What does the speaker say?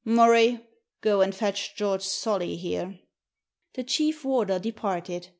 Murray, go and fetch George Solly here." The chief warder departed.